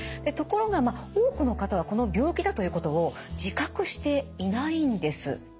ところが多くの方はこの病気だということを自覚していないんです。